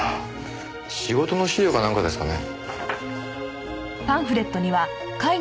仕事の資料かなんかですかね？